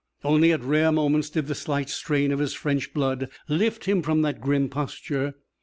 Only at rare moments did the slight strain of his French blood lift him from that grim posture.